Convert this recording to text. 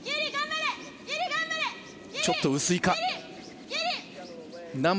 ちょっと薄いか。